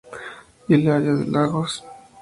Hilario D. Lagos".